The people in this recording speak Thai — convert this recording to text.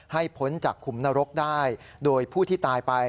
พ้นจากขุมนรกได้โดยผู้ที่ตายไป